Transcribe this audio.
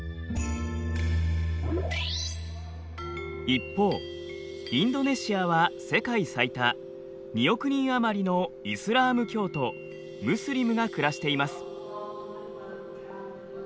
一方インドネシアは世界最多２億人余りのイスラーム教徒ムスリムが暮らしています。